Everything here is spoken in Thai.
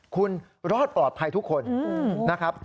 คุณรอดปลอดภัยทุกคนนะครับ